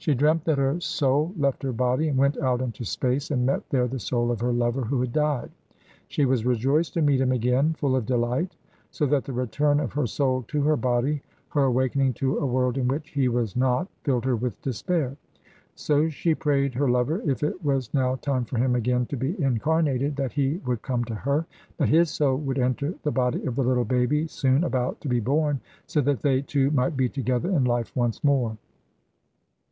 She dreamt that her soul left her body, and went out into space and met there the soul of her lover who had died. She was rejoiced to meet him again, full of delight, so that the return of her soul to her body, her awakening to a world in which he was not, filled her with despair. So she prayed her lover, if it was now time for him again to be incarnated, that he would come to her that his soul would enter the body of the little baby soon about to be born, so that they two might be together in life once more.